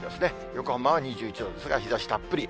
横浜は２１度ですが、日ざしたっぷり。